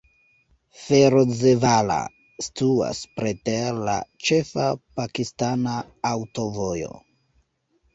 Ferozevala situas preter la ĉefa pakistana aŭtovojo.